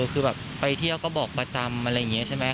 คือแบบไปเที่ยวก็บอกประจำอะไรอย่างนี้ใช่ไหม